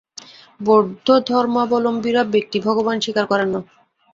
বৌদ্ধধর্মাবলম্বীরা ব্যক্তি-ভগবান স্বীকার করেন না।